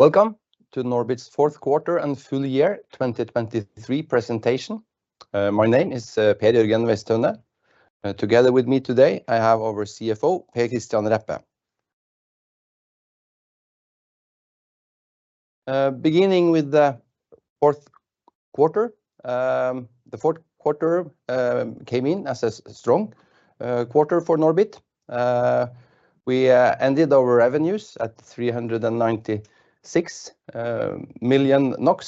Welcome to NORBIT's fourth quarter and full year 2023 presentation. My name is Per Jørgen Weisethaunet, and together with me today I have our CFO, Per Kristian Reppe. Beginning with the fourth quarter, the fourth quarter came in as a strong quarter for NORBIT. We ended our revenues at 396 million NOK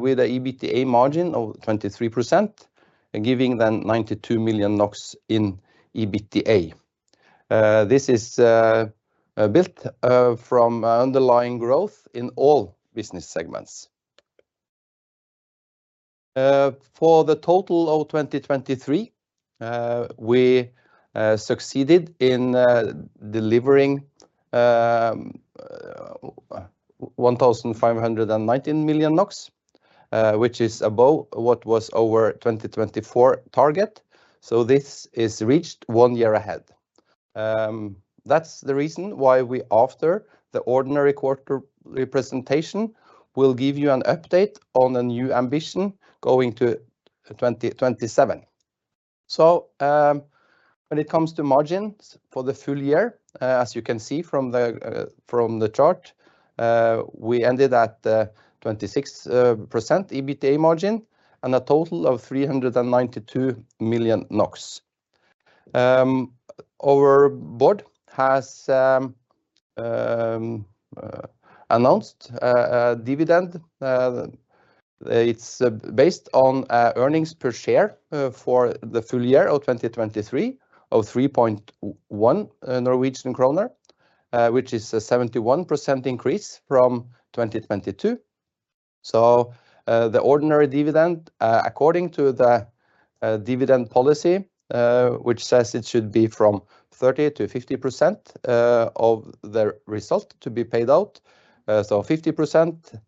with a EBITDA margin of 23%, giving them 92 million NOK in EBITDA. This is built from underlying growth in all business segments. For the total of 2023, we succeeded in delivering 1,519 million NOK, which is above what was our 2024 target, so this is reached one year ahead. That's the reason why we, after the ordinary quarter representation, we'll give you an update on a new ambition going to 2027. So, when it comes to margins for the full year, as you can see from the chart, we ended at 26% EBITDA margin and a total of 392 million NOK. Our board has announced a dividend, it's based on earnings per share for the full year of 2023, of 3.1 Norwegian kroner, which is a 71% increase from 2022. So, the ordinary dividend, according to the dividend policy, which says it should be from 30%-50% of the result to be paid out. So 50%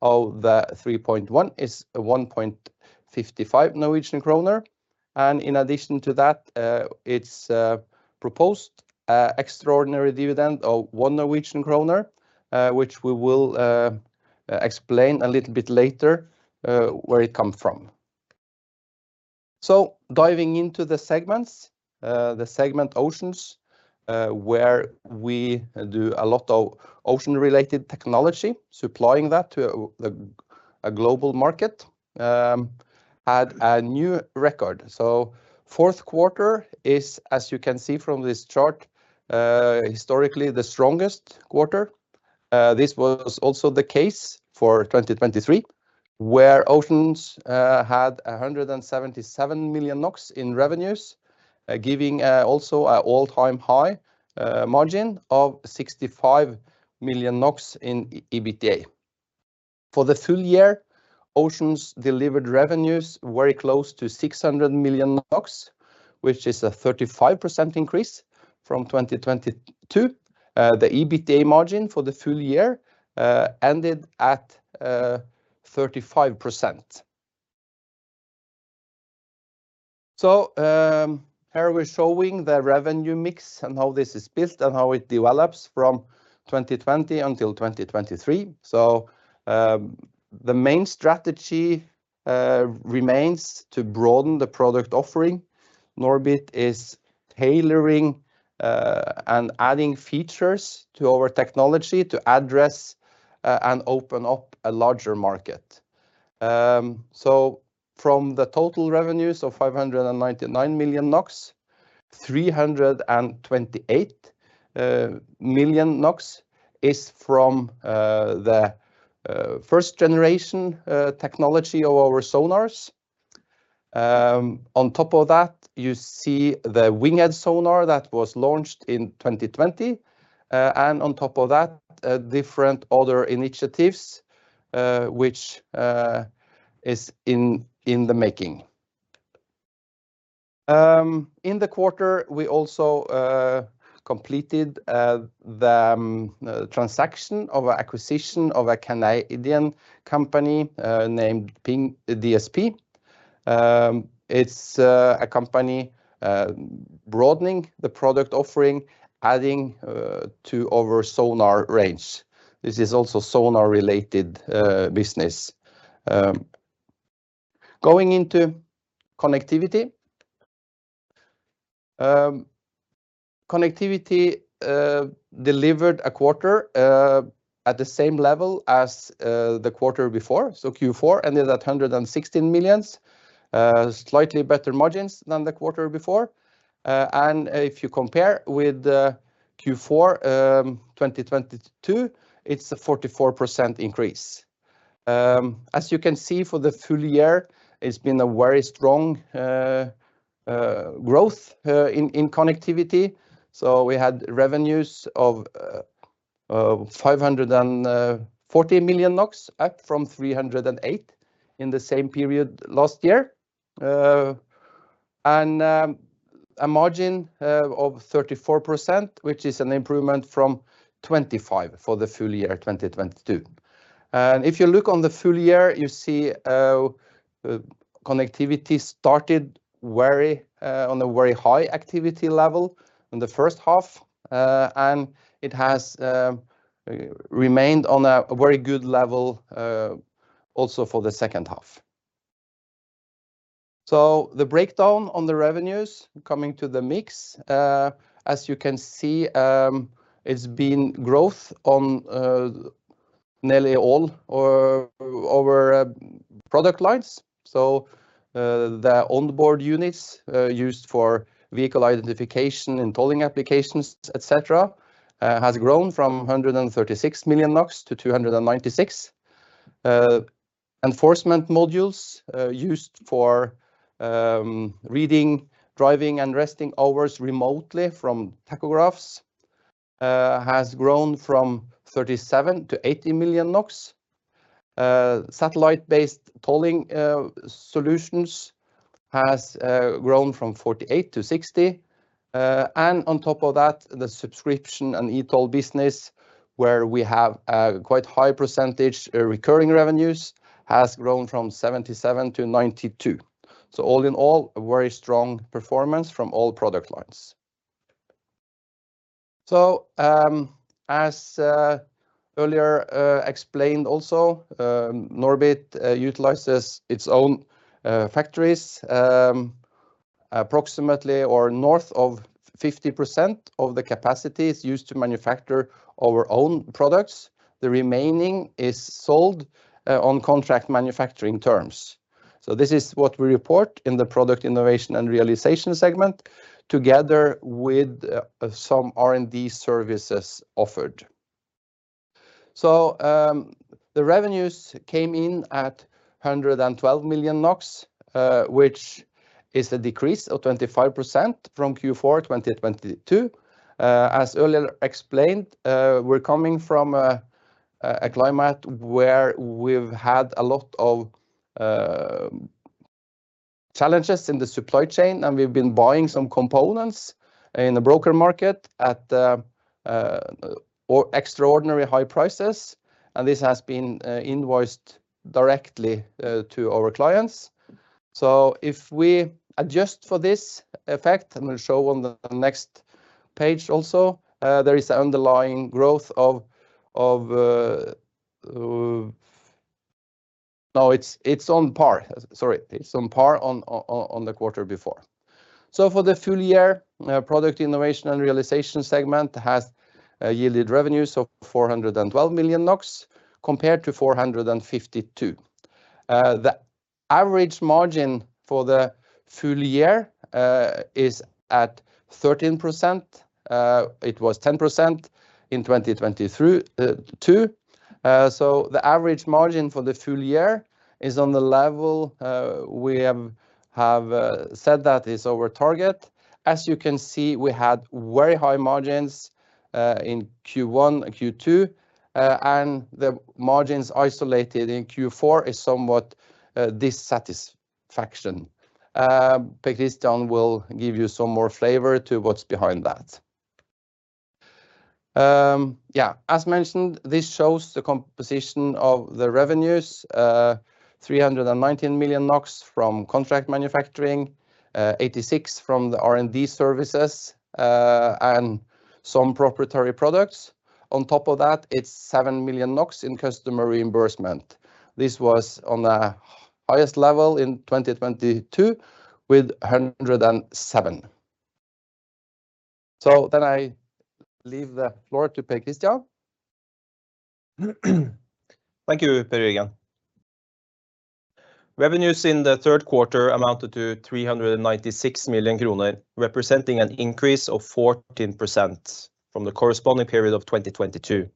of the 3.1 is 1.55 Norwegian kroner. And in addition to that, it's proposed an extraordinary dividend of 1 Norwegian kroner, which we will explain a little bit later, where it come from. So diving into the segments, the segment Oceans, where we do a lot of ocean-related technology, supplying that to the global market, had a new record. Fourth quarter is, as you can see from this chart, historically the strongest quarter. This was also the case for 2023, where Oceans had 177 million NOK in revenues, giving also an all-time high margin of 65 million NOK in EBITDA. For the full year, Oceans delivered revenues very close to NOK 600 million, which is a 35% increase from 2022. The EBITDA margin for the full year ended at 35%. So, here we're showing the revenue mix and how this is built and how it develops from 2020 until 2023. So, the main strategy remains to broaden the product offering. NORBIT is tailoring and adding features to our technology to address and open up a larger market. So from the total revenues of 599 million NOK, 328 million NOK is from the first-generation technology of our sonars. On top of that, you see the Winghead sonar that was launched in 2020. On top of that, different other initiatives which is in the making. In the quarter, we also completed the transaction of our acquisition of a Canadian company named PingDSP. It's a company broadening the product offering, adding to our sonar range. This is also sonar-related business. Going into Connectivity. Connectivity delivered a quarter at the same level as the quarter before, so Q4 ended at 116 million, slightly better margins than the quarter before. And if you compare with the Q4 2022, it's a 44% increase. As you can see for the full year, it's been a very strong growth in Connectivity. So we had revenues of 540 million NOK, up from 308 million in the same period last year. A margin of 34%, which is an improvement from 25% for the full year 2022. If you look on the full year, you see, Connectivity started very on a very high activity level in the first half, and it has remained on a very good level also for the second half. So the breakdown on the revenues coming to the mix, as you can see, it's been growth on nearly all or over product lines. So the On-Board Units used for vehicle identification and tolling applications, et cetera, has grown from 136 million NOK to 296 million. Enforcement modules used for reading driving and resting hours remotely from tachographs has grown from 37 million to 80 million NOK. Satellite-based tolling solutions has grown from 48 million to 60 million. And on top of that, the subscription and e-toll business, where we have a quite high percentage recurring revenues, has grown from 77 million to 92 million. So all in all, a very strong performance from all product lines. So, as earlier explained also, NORBIT utilizes its own factories. Approximately or north of 50% of the capacity is used to manufacture our own products. The remaining is sold on contract manufacturing terms. So this is what we report in the Product Innovation and Realization segment, together with some R&D services offered. So, the revenues came in at 112 million NOK, which is a decrease of 25% from Q4 2022. As earlier explained, we're coming from a climate where we've had a lot of challenges in the supply chain, and we've been buying some components in the broker market at extraordinary high prices, and this has been invoiced directly to our clients. So if we adjust for this effect, and we'll show on the next page also, there is an underlying growth of... No, it's on par, sorry, it's on par on the quarter before. So for the full year, product innovation and realization segment has yielded revenues of 412 million NOK compared to 452 million NOK. The average margin for the full year is at 13%. It was 10% in 2022. So the average margin for the full year is on the level we have said that is our target. As you can see, we had very high margins in Q1 and Q2. And the margins isolated in Q4 is somewhat dissatisfaction. Per Kristian will give you some more flavor to what's behind that. Yeah, as mentioned, this shows the composition of the revenues. 319 million NOK from contract manufacturing, 86 million from the R&D services, and some proprietary products. On top of that, it's 7 million NOK in customer reimbursement. This was on the highest level in 2022, with 107. So then I leave the floor to Per Kristian. Thank you, Per Jørgen. Revenues in the third quarter amounted to 396 million kroner, representing an increase of 14% from the corresponding period of 2022.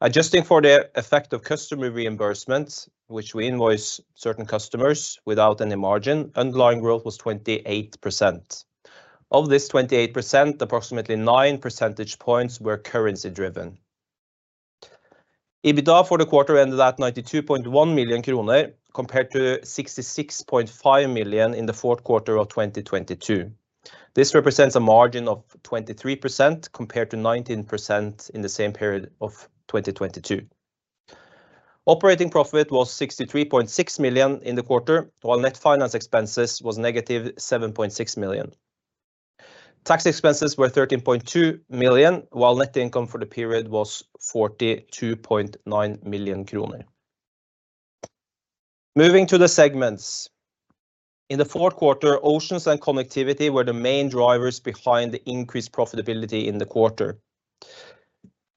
Adjusting for the effect of customer reimbursements, which we invoice certain customers without any margin, underlying growth was 28%. Of this 28%, approximately nine percentage points were currency driven. EBITDA for the quarter ended at 92.1 million kroner, compared to 66.5 million in the fourth quarter of 2022. This represents a margin of 23%, compared to 19% in the same period of 2022. Operating profit was 63.6 million in the quarter, while net finance expenses was negative 7.6 million. Tax expenses were 13.2 million, while net income for the period was 42.9 million kroner. Moving to the segments. In the fourth quarter, Oceans and Connectivity were the main drivers behind the increased profitability in the quarter.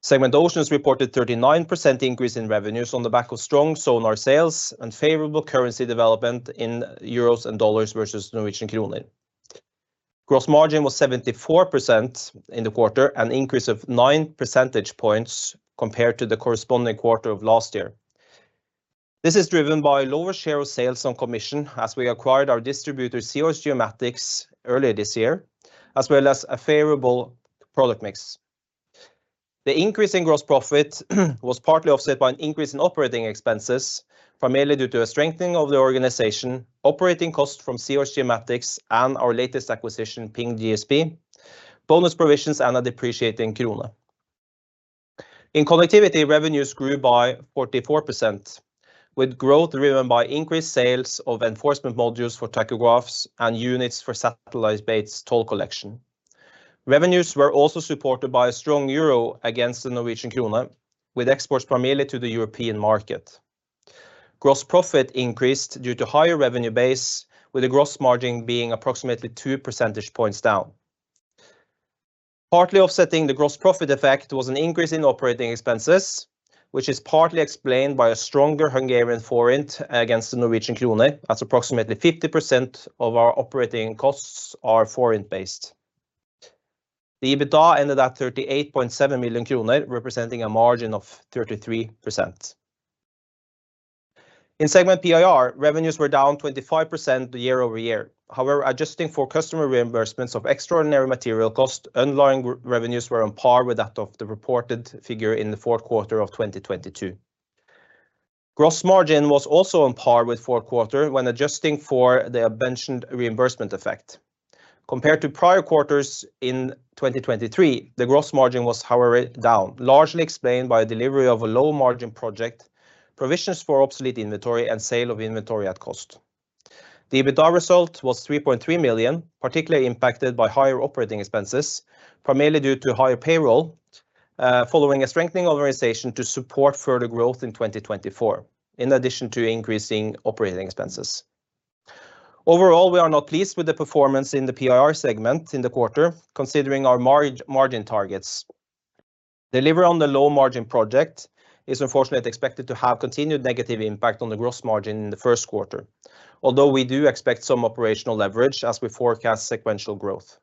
Segment Oceans reported 39% increase in revenues on the back of strong sonar sales and favorable currency development in euros and dollars versus Norwegian kroner. Gross margin was 74% in the quarter, an increase of 9 percentage points compared to the corresponding quarter of last year. This is driven by a lower share of sales on commission, as we acquired our distributor, Seahorse Geomatics, earlier this year, as well as a favorable product mix. The increase in gross profit was partly offset by an increase in operating expenses from mainly due to a strengthening of the organization, operating costs from Seahorse Geomatics and our latest acquisition, PingDSP, bonus provisions, and a depreciating kroner. In Connectivity, revenues grew by 44%, with growth driven by increased sales of enforcement modules for tachographs and units for satellite-based toll collection. Revenues were also supported by a strong euro against the Norwegian krone, with exports primarily to the European market. Gross profit increased due to higher revenue base, with a gross margin being approximately two percentage points down. Partly offsetting the gross profit effect was an increase in operating expenses, which is partly explained by a stronger Hungarian forint against the Norwegian krone, as approximately 50% of our operating costs are forint-based. The EBITDA ended at 38.7 million kroner, representing a margin of 33%. In segment PIR, revenues were down 25% year-over-year. However, adjusting for customer reimbursements of extraordinary material cost, underlying revenues were on par with that of the reported figure in the fourth quarter of 2022. Gross margin was also on par with fourth quarter when adjusting for the above-mentioned reimbursement effect. Compared to prior quarters in 2023, the gross margin was, however, down, largely explained by delivery of a low-margin project, provisions for obsolete inventory, and sale of inventory at cost. The EBITDA result was 3.3 million, particularly impacted by higher operating expenses, primarily due to higher payroll following a strengthening organization to support further growth in 2024, in addition to increasing operating expenses. Overall, we are not pleased with the performance in the PIR segment in the quarter, considering our margin targets. Delivery on the low-margin project is unfortunately expected to have continued negative impact on the gross margin in the first quarter, although we do expect some operational leverage as we forecast sequential growth.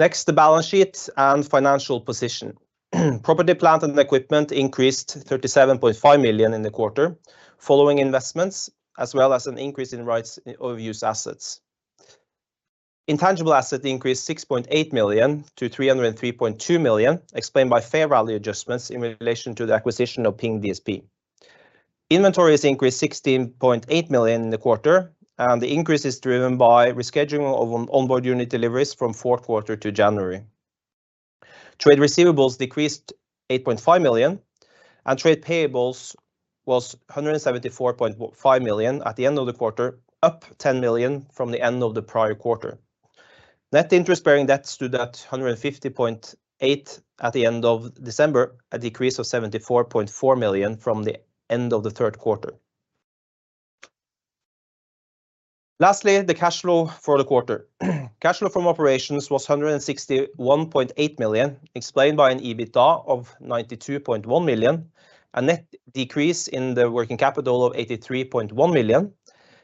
Next, the balance sheet and financial position. Property, plant and equipment increased 37.5 million in the quarter, following investments as well as an increase in right-of-use assets. Intangible assets increased 6.8 million to 303.2 million, explained by fair value adjustments in relation to the acquisition of PingDSP. Inventories increased 16.8 million in the quarter, and the increase is driven by rescheduling of on-board unit deliveries from fourth quarter to January. Trade receivables decreased 8.5 million, and trade payables was 174.5 million at the end of the quarter, up 10 million from the end of the prior quarter. Net interest-bearing debt stood at 150.8 million at the end of December, a decrease of 74.4 million from the end of the third quarter. Lastly, the cash flow for the quarter. Cash flow from operations was 161.8 million, explained by an EBITDA of 92.1 million, a net decrease in the working capital of 83.1 million,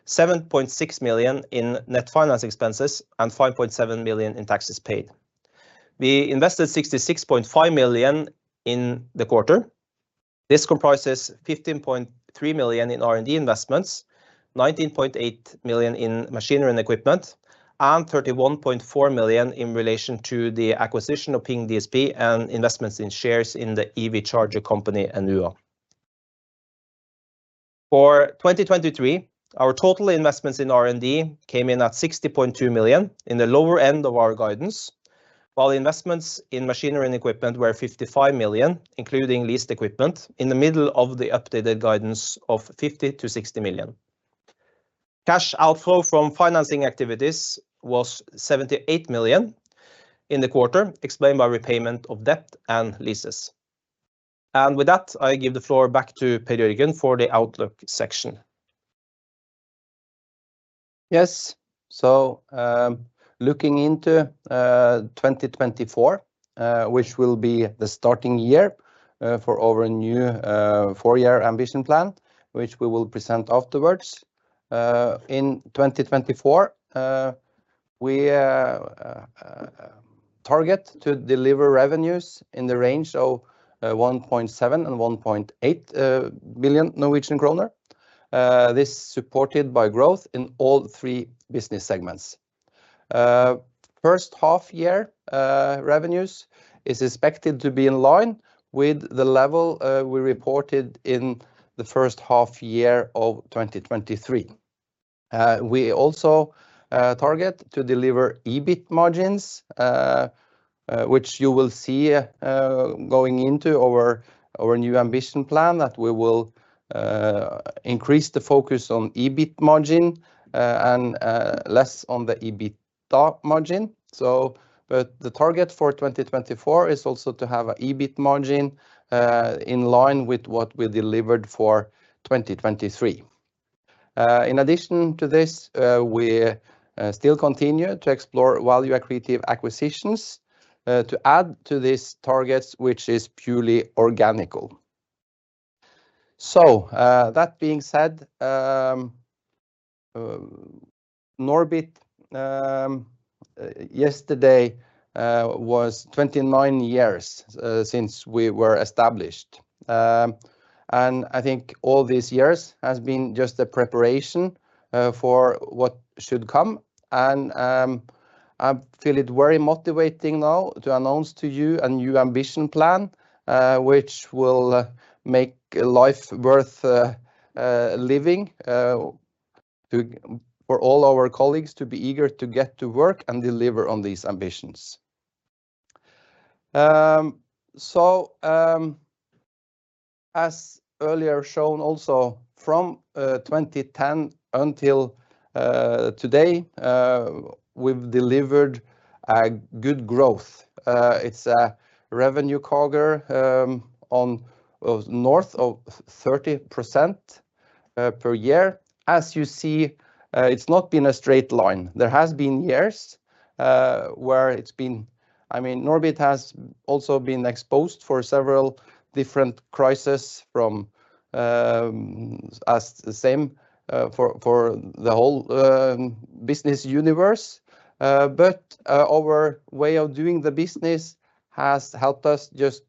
7.6 million in net finance expenses, and 5.7 million in taxes paid. We invested 66.5 million in the quarter. This comprises 15.3 million in R&D investments, 19.8 million in machinery and equipment, and 31.4 million in relation to the acquisition of PingDSP and investments in shares in the EV charger company, Enua. For 2023, our total investments in R&D came in at 60.2 million, in the lower end of our guidance, while investments in machinery and equipment were 55 million, including leased equipment, in the middle of the updated guidance of 50-60 million. Cash outflow from financing activities was 78 million in the quarter, explained by repayment of debt and leases. With that, I give the floor back to Per Jørgen for the outlook section. Yes. So, looking into 2024, which will be the starting year for our new four-year ambition plan, which we will present afterwards. In 2024, we target to deliver revenues in the range of 1.7 million-1.8 million Norwegian kroner. This is supported by growth in all three business segments. First half year revenues is expected to be in line with the level we reported in the first half year of 2023. We also target to deliver EBIT margins, which you will see going into our new ambition plan, that we will increase the focus on EBIT margin and less on the EBITDA margin. So, but the target for 2024 is also to have a EBIT margin in line with what we delivered for 2023. In addition to this, we still continue to explore value accretive acquisitions to add to these targets, which is purely organic. So, that being said, NORBIT yesterday was 29 years since we were established. And I think all these years has been just a preparation for what should come. And I feel it very motivating now to announce to you a new ambition plan, which will make life worth living to—for all our colleagues to be eager to get to work and deliver on these ambitions.... So, as earlier shown also from 2010 until today, we've delivered a good growth. It's a revenue CAGR, on, north of 30%, per year. As you see, it's not been a straight line. There has been years, where it's been- I mean, NORBIT has also been exposed for several different crisis from, as the same, for, for the whole, business universe. But, our way of doing the business has helped us just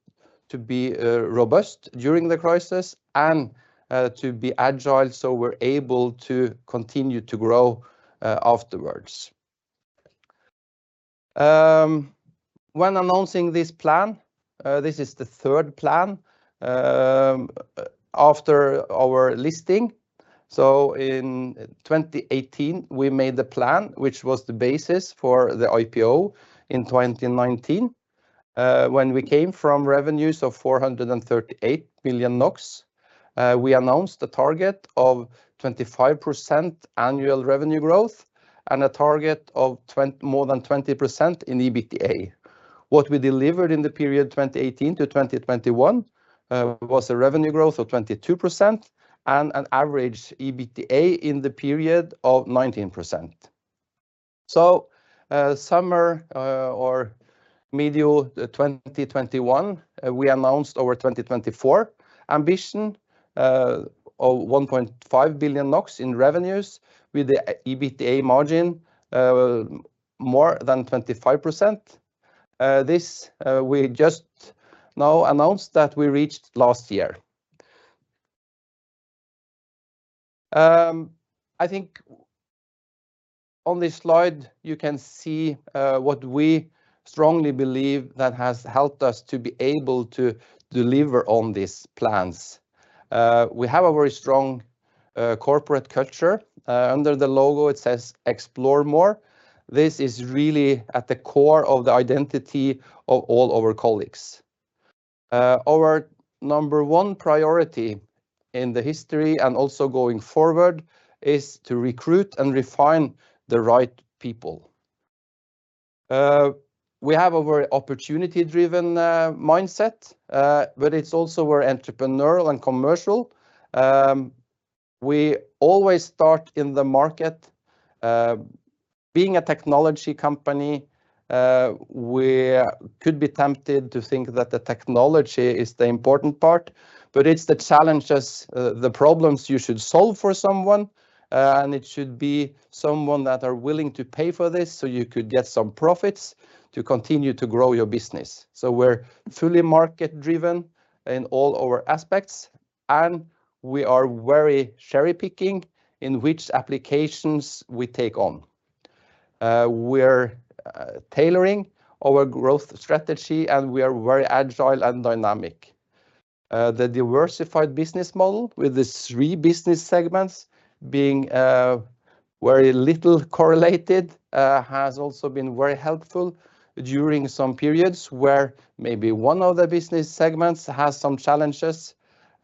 to be, robust during the crisis and, to be agile, so we're able to continue to grow, afterwards. When announcing this plan, this is the third plan, after our listing. So in 2018, we made the plan, which was the basis for the IPO in 2019, when we came from revenues of 438 billion NOK, we announced a target of 25% annual revenue growth and a target of more than 20% in EBITDA. What we delivered in the period 2018 to 2021 was a revenue growth of 22% and an average EBITDA in the period of 19%. So, sometime or mid-2021, we announced our 2024 ambition of 1.5 billion NOK in revenues, with the EBITDA margin more than 25%. This, we just now announced that we reached last year. I think on this slide, you can see what we strongly believe that has helped us to be able to deliver on these plans. We have a very strong corporate culture. Under the logo it says, «Explore more.» This is really at the core of the identity of all our colleagues. Our number one priority in the history, and also going forward, is to recruit and refine the right people. We have a very opportunity-driven mindset, but it's also we're entrepreneurial and commercial. We always start in the market, being a technology company, we could be tempted to think that the technology is the important part, but it's the challenges, the problems you should solve for someone, and it should be someone that are willing to pay for this, so you could get some profits to continue to grow your business. So we're fully market-driven in all our aspects, and we are very cherry-picking in which applications we take on. We're tailoring our growth strategy, and we are very agile and dynamic. The diversified business model, with the three business segments being very little correlated, has also been very helpful during some periods where maybe one of the business segments has some challenges,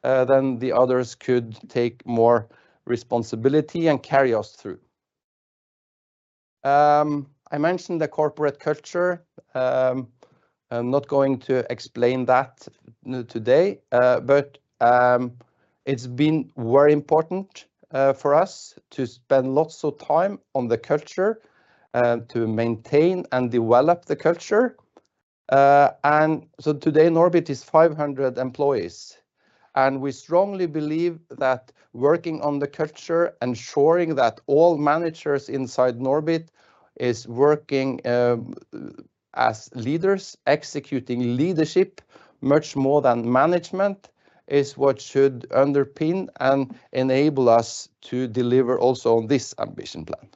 then the others could take more responsibility and carry us through. I mentioned the corporate culture. I'm not going to explain that today, but it's been very important for us to spend lots of time on the culture and to maintain and develop the culture. And so today, Norbit is 500 employees, and we strongly believe that working on the culture, ensuring that all managers inside Norbit is working as leaders, executing leadership, much more than management, is what should underpin and enable us to deliver also on this ambition plan.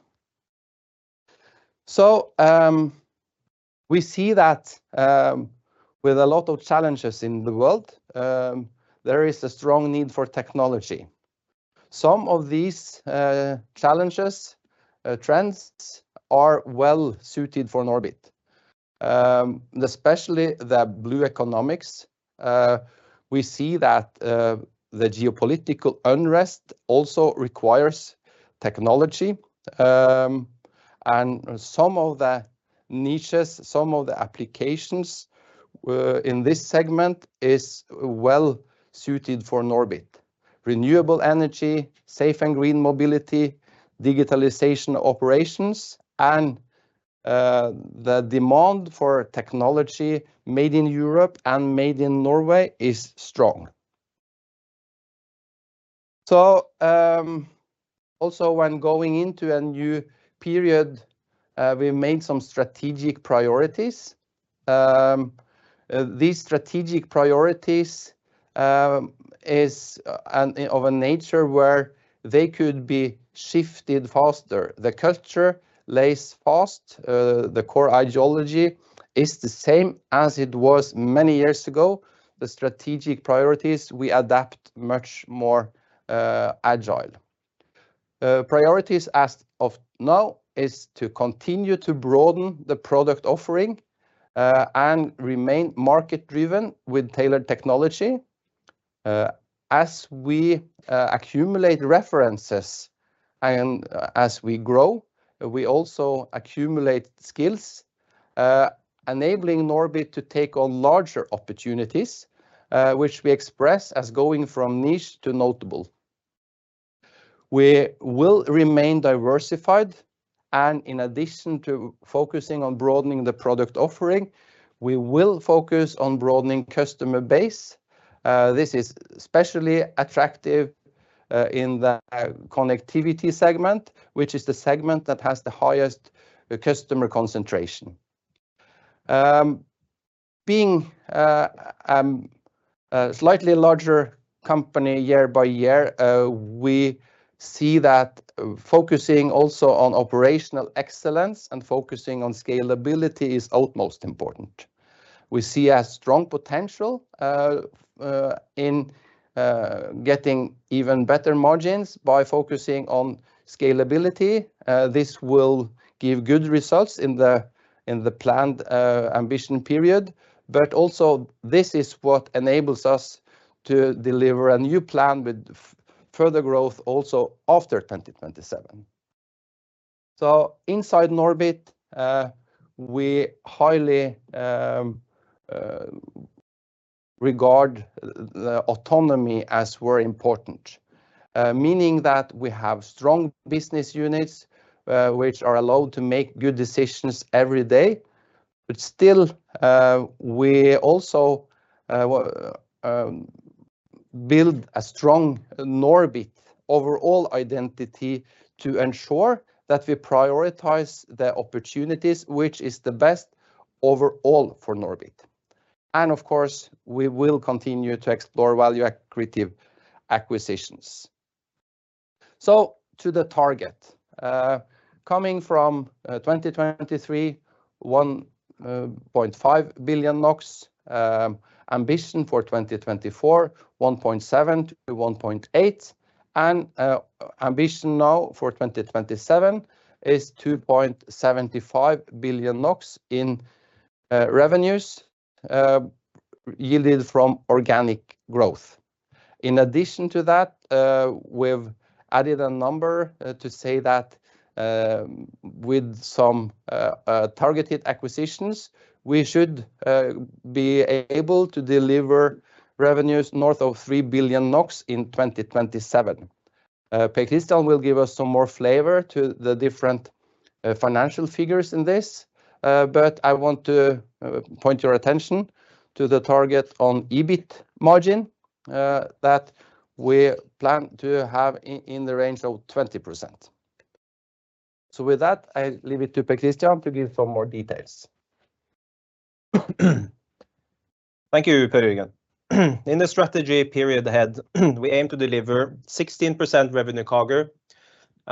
We see that with a lot of challenges in the world, there is a strong need for technology. Some of these challenges, trends are well-suited for Norbit, especially the blue economics. We see that the geopolitical unrest also requires technology, and some of the niches, some of the applications in this segment is well-suited for Norbit. Renewable energy, safe and green mobility, digitalization operations, and the demand for technology made in Europe and made in Norway is strong. So, also, when going into a new period, we made some strategic priorities. These strategic priorities is of a nature where they could be shifted faster. The culture lays fast. The core ideology is the same as it was many years ago. The strategic priorities, we adapt much more agile. Priorities as of now is to continue to broaden the product offering and remain market-driven with tailored technology. As we accumulate references and as we grow, we also accumulate skills, enabling NORBIT to take on larger opportunities, which we express as going from niche to notable. We will remain diversified, and in addition to focusing on broadening the product offering, we will focus on broadening customer base. This is especially attractive in the connectivity segment, which is the segment that has the highest customer concentration. Being a slightly larger company year by year, we see that focusing also on operational excellence and focusing on scalability is utmost important. We see a strong potential in getting even better margins by focusing on scalability. This will give good results in the planned ambition period, but also this is what enables us to deliver a new plan with further growth also after 2027. So inside NORBIT, we highly regard the autonomy as very important, meaning that we have strong business units, which are allowed to make good decisions every day. But still, we also build a strong NORBIT overall identity to ensure that we prioritize the opportunities, which is the best overall for NORBIT. And of course, we will continue to explore value accretive acquisitions. So to the target, coming from 2023, 1.5 billion NOK, ambition for 2024, 1.7 billion-1.8 billion, and ambition now for 2027 is 2.75 billion NOK in revenues, yielded from organic growth. In addition to that, we've added a number to say that with some targeted acquisitions, we should be able to deliver revenues north of 3 billion NOK in 2027. Per Kristian will give us some more flavor to the different financial figures in this, but I want to point your attention to the target on EBIT margin that we plan to have in the range of 20%. So with that, I leave it to Per Kristian to give some more details. Thank you, Per Jørgen. In the strategy period ahead, we aim to deliver 16% revenue CAGR,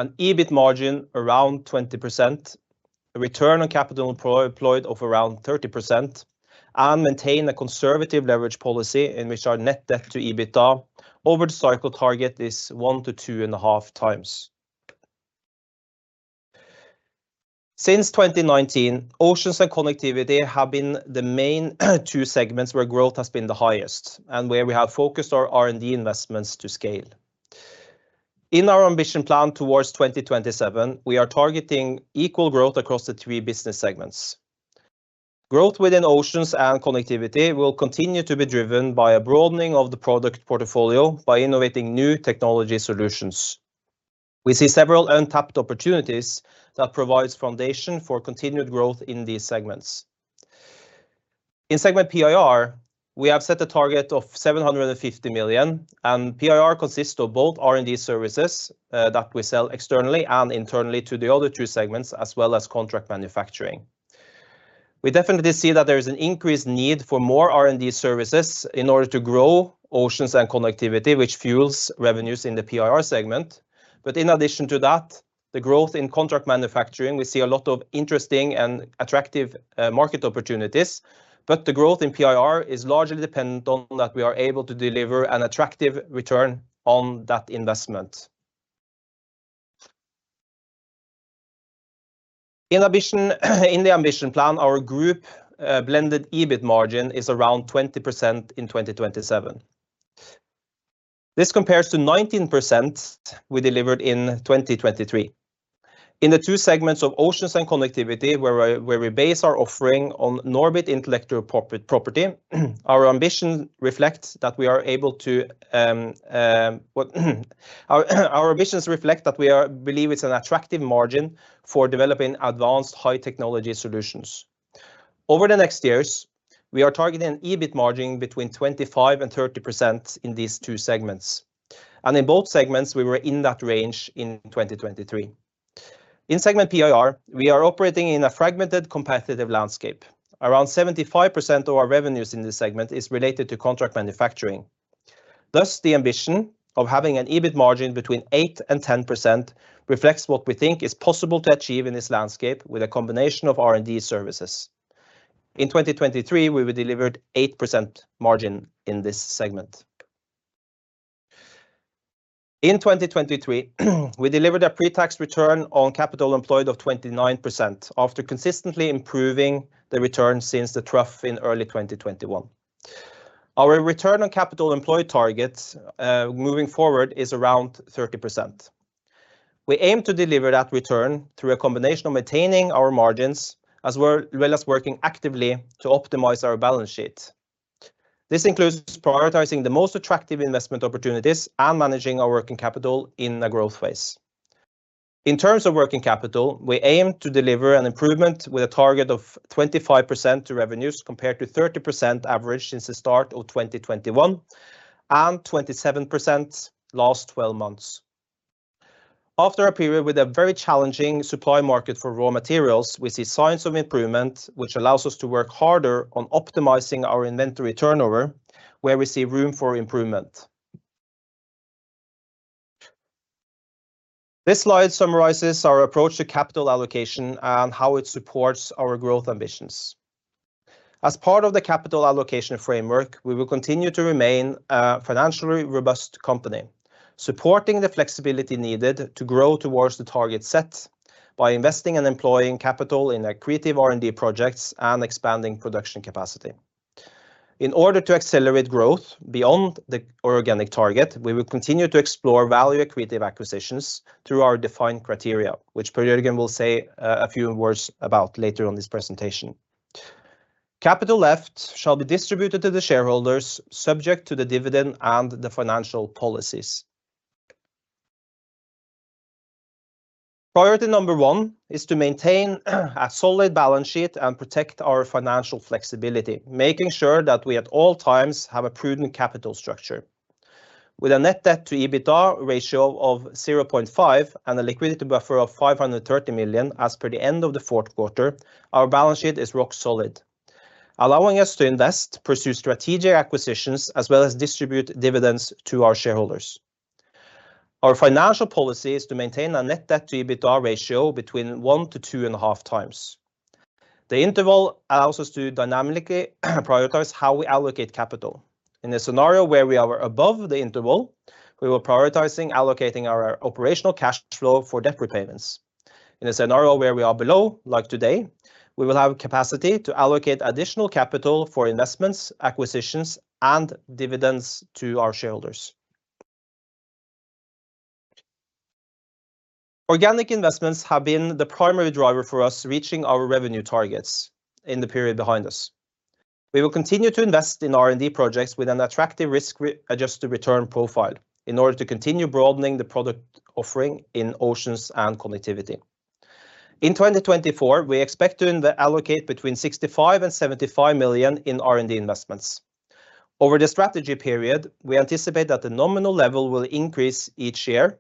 an EBIT margin around 20%, a return on capital employed of around 30%, and maintain a conservative leverage policy in which our net debt to EBITDA over the cycle target is 1-2.5x. Since 2019, Oceans and Connectivity have been the main two segments where growth has been the highest and where we have focused our R&D investments to scale. In our ambition plan towards 2027, we are targeting equal growth across the three business segments. Growth within Oceans and Connectivity will continue to be driven by a broadening of the product portfolio by innovating new technology solutions. We see several untapped opportunities that provide foundation for continued growth in these segments. In segment PIR, we have set a target of 750 million, and PIR consists of both R&D services that we sell externally and internally to the other two segments, as well as contract manufacturing. We definitely see that there is an increased need for more R&D services in order to grow Oceans and Connectivity, which fuels revenues in the PIR segment. But in addition to that, the growth in contract manufacturing, we see a lot of interesting and attractive market opportunities, but the growth in PIR is largely dependent on that we are able to deliver an attractive return on that investment. In addition, in the ambition plan, our group blended EBIT margin is around 20% in 2027. This compares to 19% we delivered in 2023. In the two segments of Oceans and Connectivity, where we base our offering on Norbit intellectual property, our ambitions reflect that we believe it's an attractive margin for developing advanced high technology solutions. Over the next years, we are targeting an EBIT margin between 25% and 30% in these two segments, and in both segments, we were in that range in 2023. In segment PIR, we are operating in a fragmented, competitive landscape. Around 75% of our revenues in this segment is related to contract manufacturing. Thus, the ambition of having an EBIT margin between 8% and 10% reflects what we think is possible to achieve in this landscape with a combination of R&D services. In 2023, we delivered 8% margin in this segment. In 2023, we delivered a pre-tax return on capital employed of 29%, after consistently improving the return since the trough in early 2021. Our return on capital employed targets moving forward is around 30%. We aim to deliver that return through a combination of maintaining our margins, as well as working actively to optimize our balance sheet. This includes prioritizing the most attractive investment opportunities and managing our working capital in a growth phase. In terms of working capital, we aim to deliver an improvement with a target of 25% to revenues, compared to 30% average since the start of 2021, and 27% last twelve months. After a period with a very challenging supply market for raw materials, we see signs of improvement, which allows us to work harder on optimizing our inventory turnover, where we see room for improvement. This slide summarizes our approach to capital allocation and how it supports our growth ambitions. As part of the capital allocation framework, we will continue to remain a financially robust company, supporting the flexibility needed to grow towards the target set by investing and employing capital in our creative R&D projects and expanding production capacity. In order to accelerate growth beyond the organic target, we will continue to explore value creative acquisitions through our defined criteria, which again, we'll say, a few words about later on this presentation. Capital left shall be distributed to the shareholders, subject to the dividend and the financial policies. Priority number one is to maintain a solid balance sheet and protect our financial flexibility, making sure that we, at all times, have a prudent capital structure. With a net debt to EBITDA ratio of 0.5 and a liquidity buffer of 530 million as per the end of the fourth quarter, our balance sheet is rock solid, allowing us to invest, pursue strategic acquisitions, as well as distribute dividends to our shareholders. Our financial policy is to maintain a net debt to EBITDA ratio between 1-2.5 times. The interval allows us to dynamically prioritize how we allocate capital. In a scenario where we are above the interval, we will prioritizing allocating our operational cash flow for debt repayments. In a scenario where we are below, like today, we will have capacity to allocate additional capital for investments, acquisitions, and dividends to our shareholders. Organic investments have been the primary driver for us reaching our revenue targets in the period behind us. We will continue to invest in R&D projects with an attractive risk-adjusted return profile in order to continue broadening the product offering in Oceans and Connectivity. In 2024, we expect to allocate between 65 million and 75 million in R&D investments. Over the strategy period, we anticipate that the nominal level will increase each year,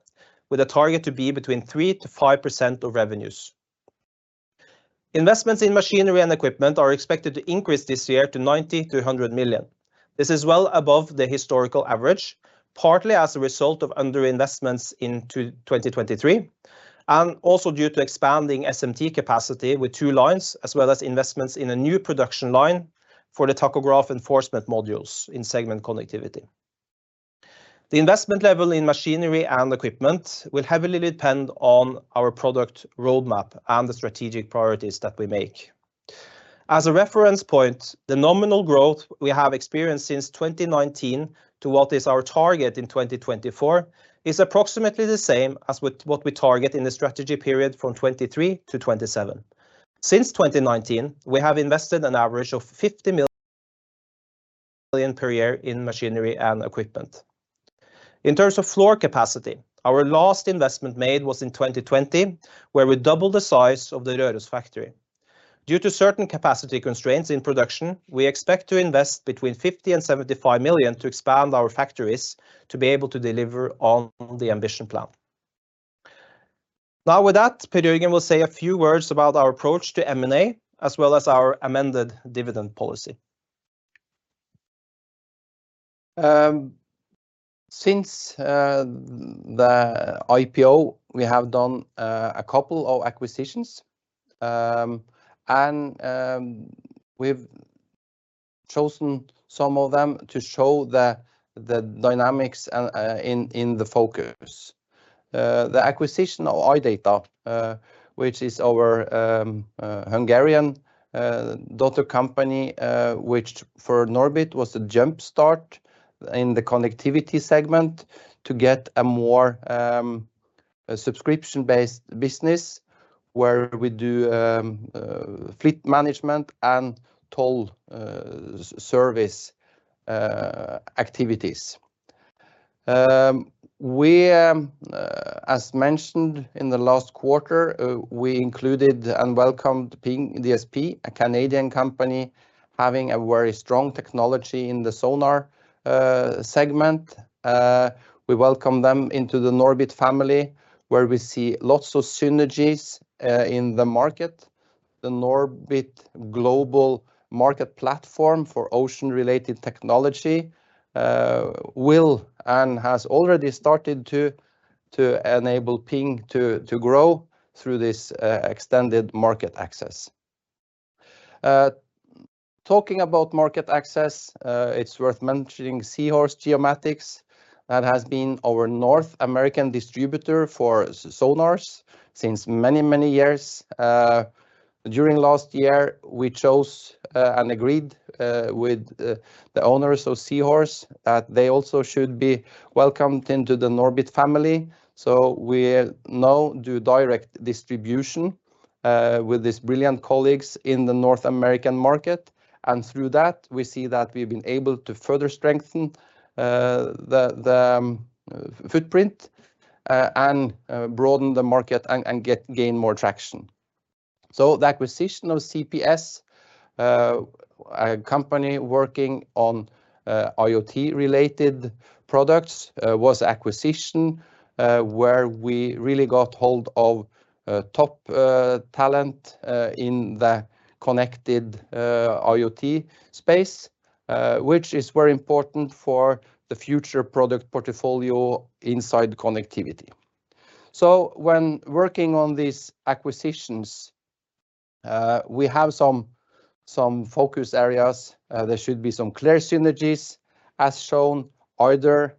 with a target to be between 3%-5% of revenues. Investments in machinery and equipment are expected to increase this year to 90-100 million. This is well above the historical average, partly as a result of under investments in 2023, and also due to expanding SMT capacity with two lines, as well as investments in a new production line for the tachograph enforcement modules in segment Connectivity. The investment level in machinery and equipment will heavily depend on our product roadmap and the strategic priorities that we make. As a reference point, the nominal growth we have experienced since 2019 to what is our target in 2024 is approximately the same as what we target in the strategy period from 2023-2027. Since 2019, we have invested an average of 50 million per year in machinery and equipment. In terms of floor capacity, our last investment made was in 2020, where we doubled the size of the Røros factory. Due to certain capacity constraints in production, we expect to invest between 50 million and 75 million to expand our factories to be able to deliver on the ambition plan. Now, with that, Per Jørgen will say a few words about our approach to M&A, as well as our amended dividend policy. Since the IPO, we have done a couple of acquisitions, and we've chosen some of them to show the dynamics and in the focus. The acquisition of iData, which is our Hungarian daughter company, which for Norbit was a jump start in the connectivity segment to get a more a subscription-based business, where we do fleet management and toll service activities. As mentioned in the last quarter, we included and welcomed PingDSP, a Canadian company, having a very strong technology in the sonar segment. We welcome them into the Norbit family, where we see lots of synergies in the market. The Norbit global market platform for ocean-related technology will and has already started to-... to enable Ping to grow through this extended market access. Talking about market access, it's worth mentioning Seahorse Geomatics, that has been our North American distributor for sonars since many, many years. During last year, we chose and agreed with the owners of Seahorse that they also should be welcomed into the NORBIT family. So we now do direct distribution with these brilliant colleagues in the North American market, and through that, we see that we've been able to further strengthen the footprint and broaden the market and gain more traction. The acquisition of CPS, a company working on IoT-related products, was acquisition where we really got hold of top talent in the connected IoT space, which is very important for the future product portfolio inside connectivity. So when working on these acquisitions, we have some focus areas. There should be some clear synergies, as shown, either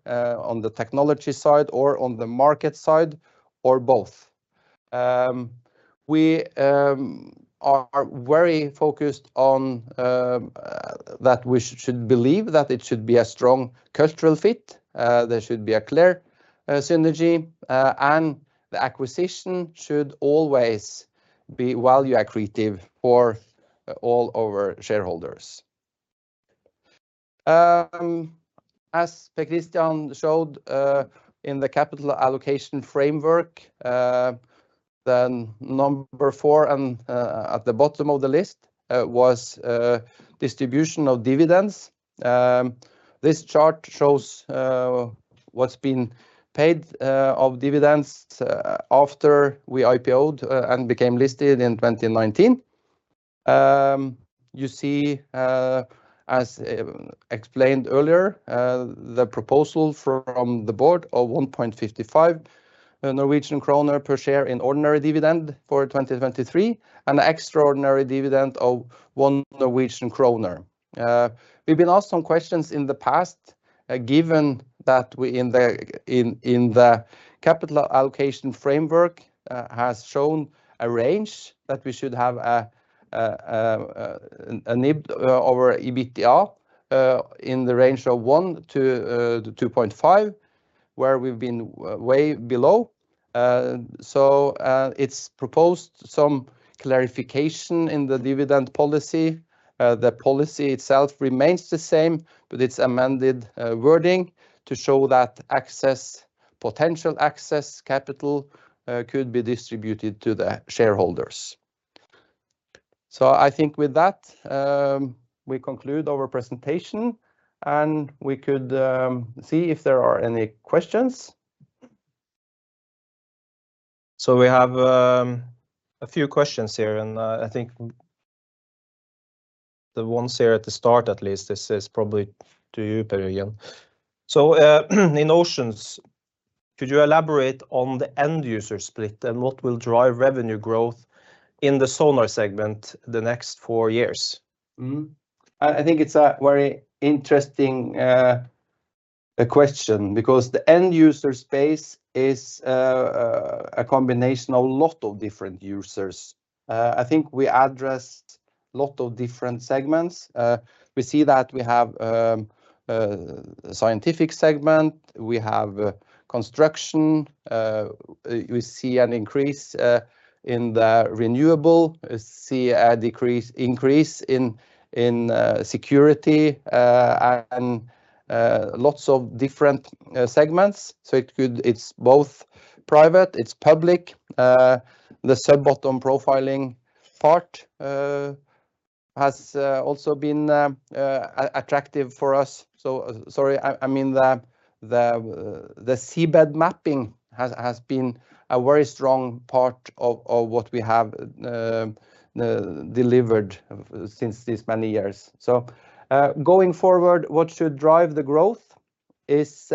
on the technology side or on the market side, or both. We are very focused on that we should believe that it should be a strong cultural fit, there should be a clear synergy, and the acquisition should always be value accretive for all of our shareholders. As Per Kristian showed, in the capital allocation framework, then number 4 and at the bottom of the list was distribution of dividends. This chart shows what's been paid of dividends after we IPO'd and became listed in 2019. You see, as explained earlier, the proposal from the board of 1.55 Norwegian kroner per share in ordinary dividend for 2023, and extraordinary dividend of 1 Norwegian kroner. We've been asked some questions in the past, given that we in the capital allocation framework has shown a range that we should have an NIB over EBITDA in the range of 1-2.5, where we've been way below. So, it's proposed some clarification in the dividend policy. The policy itself remains the same, but it's amended wording to show that excess... potential excess capital could be distributed to the shareholders. So I think with that, we conclude our presentation, and we could see if there are any questions. So we have a few questions here, and I think the ones here at the start at least, this is probably to you, Per Jørgen. So, in Oceans, could you elaborate on the end-user split and what will drive revenue growth in the sonar segment the next four years? Mm-hmm. I think it's a very interesting question, because the end-user space is a combination of a lot of different users. I think we addressed lot of different segments. We see that we have scientific segment, we have construction, we see an increase in the renewable, an increase in security, and lots of different segments. So it could... It's both private, it's public. The sub-bottom profiling part has also been attractive for us. So sorry, I mean, the seabed mapping has been a very strong part of what we have delivered since these many years. So going forward, what should drive the growth is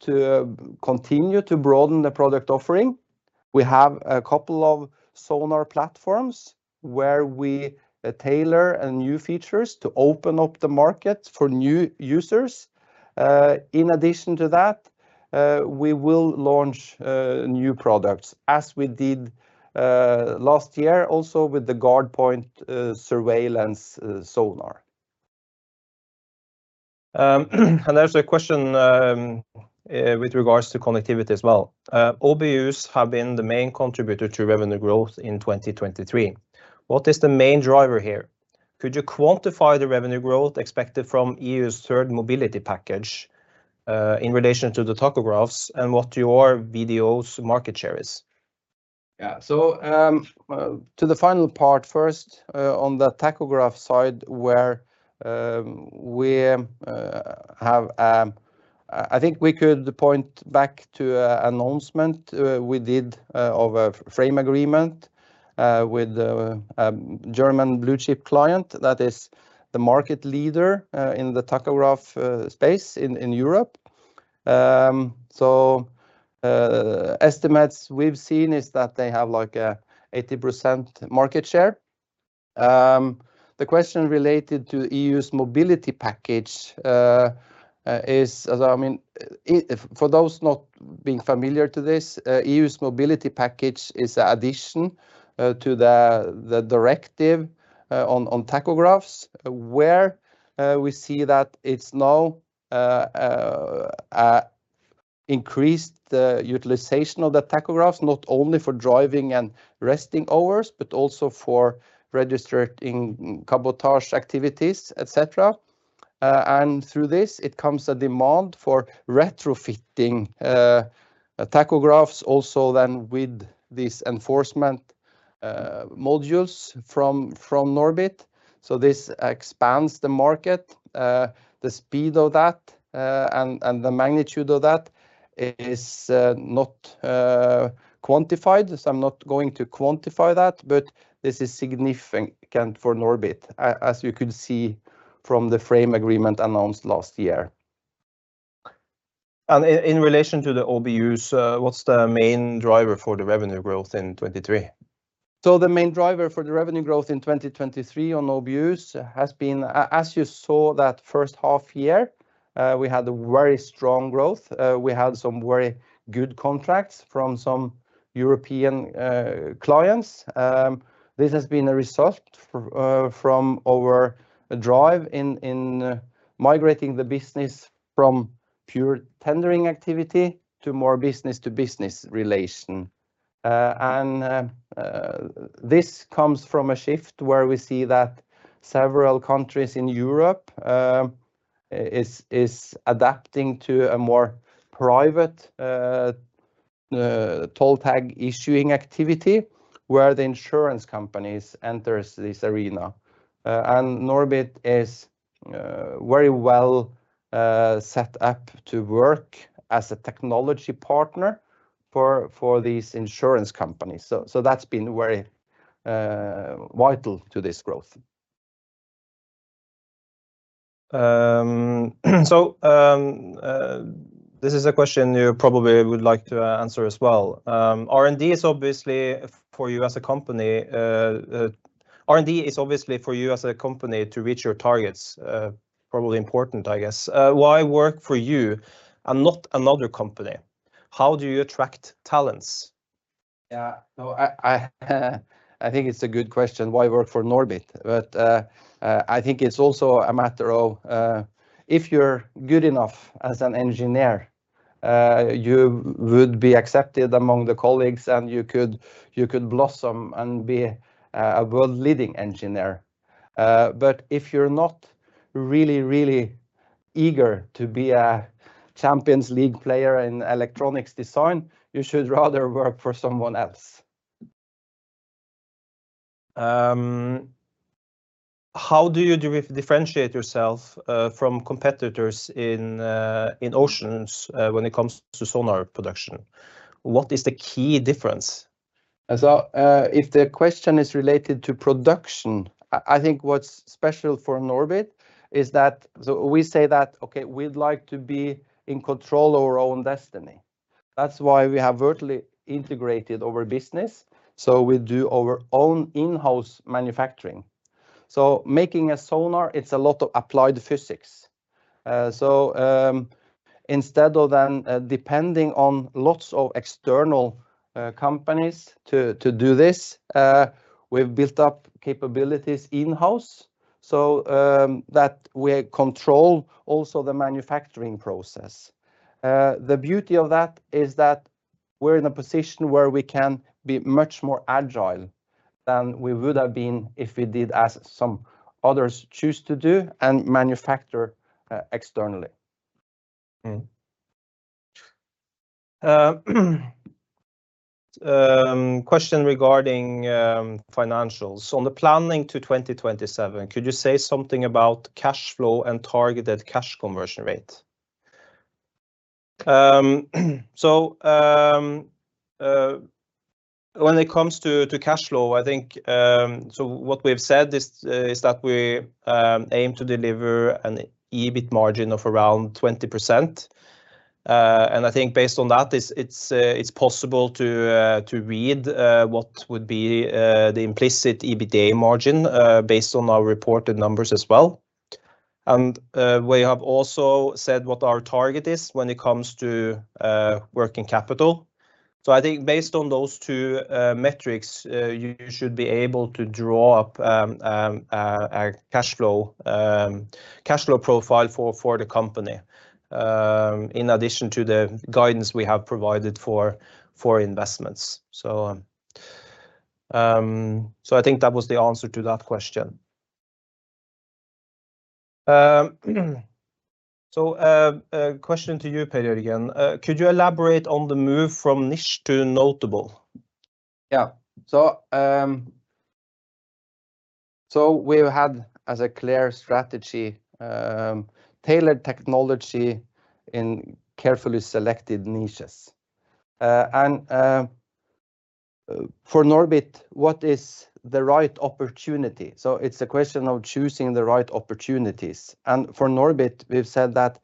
to continue to broaden the product offering. We have a couple of sonar platforms where we tailor new features to open up the market for new users. In addition to that, we will launch new products, as we did last year, also with the Guardpoint surveillance sonar. There's a question with regards to connectivity as well. OBUs have been the main contributor to revenue growth in 2023. What is the main driver here? Could you quantify the revenue growth expected from EU's third mobility package in relation to the tachographs and what your VDO's market share is? Yeah. So, to the final part first, on the tachograph side, where we have... I think we could point back to an announcement we did of a frame agreement with a German blue chip client that is the market leader in the tachograph space in Europe. So, estimates we've seen is that they have, like, an 80% market share. The question related to EU's Mobility Package is, I mean, for those not being familiar to this, EU's Mobility Package is an addition to the directive on tachographs, where we see that it's now increased the utilization of the tachographs, not only for driving and resting hours, but also for registering Cabotage activities, et cetera. Through this, it comes a demand for retrofitting tachographs also then with these enforcement modules from NORBIT. So this expands the market. The speed of that, and the magnitude of that is not quantified. So I'm not going to quantify that, but this is significant for NORBIT, as you could see from the frame agreement announced last year. In relation to the OBUs, what's the main driver for the revenue growth in 2023? So the main driver for the revenue growth in 2023 on OBUs has been, as you saw that first half year, we had a very strong growth. We had some very good contracts from some European clients. This has been a result from our drive in migrating the business from pure tendering activity to more business-to-business relation. And this comes from a shift where we see that several countries in Europe is adapting to a more private toll tag issuing activity, where the insurance companies enters this arena. And NORBIT is very well set up to work as a technology partner for these insurance companies. So that's been very vital to this growth. So, this is a question you probably would like to answer as well. R&D is obviously for you as a company to reach your targets, probably important, I guess. Why work for you and not another company? How do you attract talents? Yeah. No, I think it's a good question, why work for NORBIT? But, I think it's also a matter of, if you're good enough as an engineer, you would be accepted among the colleagues, and you could blossom and be a world-leading engineer. But if you're not really, really eager to be a Champions League player in electronics design, you should rather work for someone else. How do you differentiate yourself from competitors in oceans when it comes to sonar production? What is the key difference? So, if the question is related to production, I think what's special for NORBIT is that so we say that, "Okay, we'd like to be in control of our own destiny." That's why we have vertically integrated our business, so we do our own in-house manufacturing. So making a sonar, it's a lot of applied physics. So, instead of then depending on lots of external companies to do this, we've built up capabilities in-house, so that we control also the manufacturing process. The beauty of that is that we're in a position where we can be much more agile than we would have been if we did as some others choose to do and manufacture externally. Mm-hmm. Question regarding financials. On the planning to 2027, could you say something about cash flow and targeted cash conversion rate? So, when it comes to cash flow, I think, so what we've said is, is that we aim to deliver an EBIT margin of around 20%. And I think based on that, it's possible to read what would be the implicit EBITDA margin based on our reported numbers as well. And we have also said what our target is when it comes to working capital. So I think based on those two metrics, you should be able to draw up a cash flow profile for the company in addition to the guidance we have provided for investments. So, I think that was the answer to that question. So, question to you, Per, again. Could you elaborate on the move from niche to notable? Yeah. So we've had as a clear strategy, tailored technology in carefully selected niches. For NORBIT, what is the right opportunity? So it's a question of choosing the right opportunities. For NORBIT, we've said that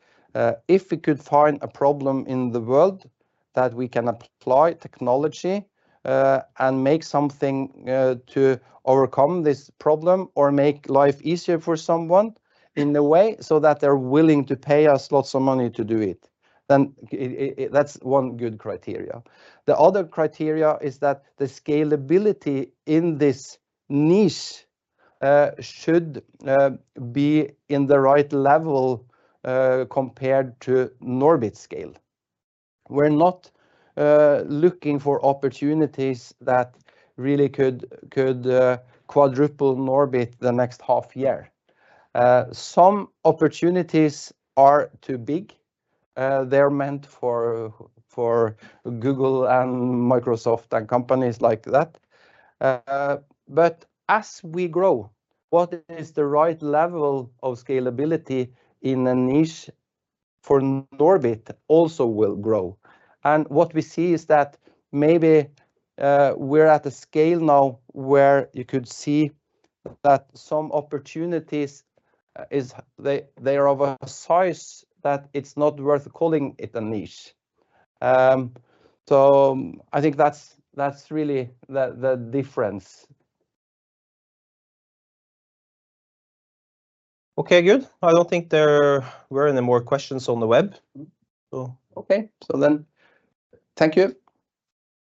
if we could find a problem in the world, that we can apply technology and make something to overcome this problem or make life easier for someone in a way, so that they're willing to pay us lots of money to do it, then that's one good criteria. The other criteria is that the scalability in this niche should be in the right level compared to NORBIT scale. We're not looking for opportunities that really could quadruple NORBIT the next half year. Some opportunities are too big. They're meant for Google and Microsoft and companies like that. But as we grow, what is the right level of scalability in a niche for NORBIT also will grow. And what we see is that maybe we're at a scale now where you could see that some opportunities is they are of a size that it's not worth calling it a niche. So I think that's really the difference. Okay, good. I don't think there were any more questions on the web, so- Okay, so then thank you.